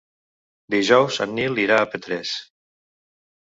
Dijous en Nil irà a Petrés.